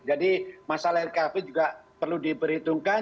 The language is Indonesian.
jadi masalah recovery juga perlu diberhitungkan